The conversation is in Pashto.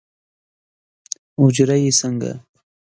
اوجره یې څنګه؟